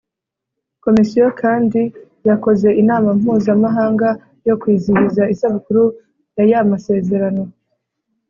Komisiyo kandi yakoze inama mpuzamahanga yo kwizihiza isabukuru ya y Amasezerano